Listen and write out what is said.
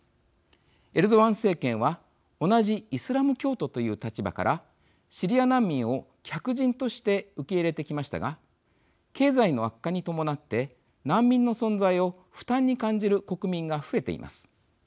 エルドアン政権は同じイスラム教徒という立場からシリア難民を客人として受け入れてきましたが経済の悪化に伴って難民の存在を負担に感じる国民が増えています。